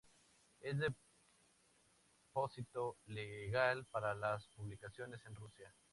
Es depósito legal para las publicaciones en Rusia.